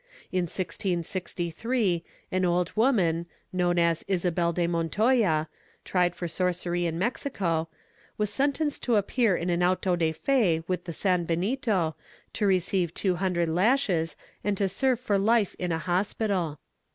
In 1663 an old woman, known as Isabel de Montoya, tried for sorcery in Mexico, was sentenced to appear in an auto de fe with the sanbenito, to receive two hundred lashes and to serve for life in a hospital.